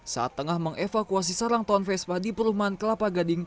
saat tengah mengevakuasi sarang tahun vespa di perumahan kelapa gading